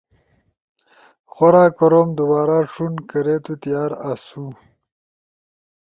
غورا کوروم دوبارا ݜون کرے تو تیار اسو